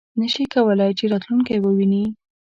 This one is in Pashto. نه شي کولای چې راتلونکی وویني .